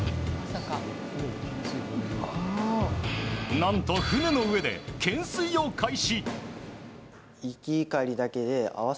何と、船の上で懸垂を開始。